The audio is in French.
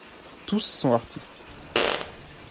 Tous sont artistes.